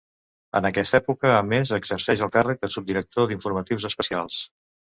En aquesta època, a més, exerceix el càrrec de Subdirector d'informatius especials.